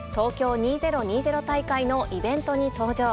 ２０２０大会のイベントに登場。